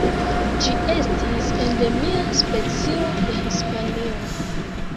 Ĝi estis endemia specio de Hispanio.